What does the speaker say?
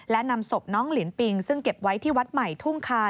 และนำศพน้องลินปิงซึ่งเก็บไว้ที่วัดใหม่ทุ่งคา